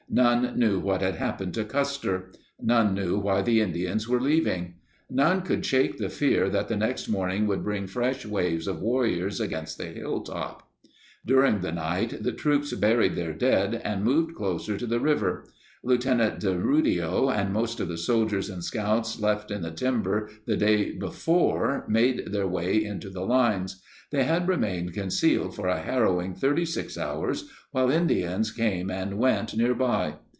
None knew what had happened to Custer. None knew why the Indians were leaving. None could shake the fear that the next morning would bring fresh waves of warriors against the hilltop. During the night the troops buried their dead and moved closer to the river. Lieutenant DeRudio and most of the soldiers and scouts left in the timber the day before made their way into the lines. They had remained con cealed for a harrowing 36 hours while Indians came and went nearby.